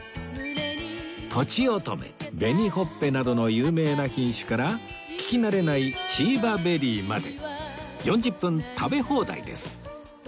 とちおとめ紅ほっぺなどの有名な品種から聞き慣れないチーバベリーまで４０分食べ放題です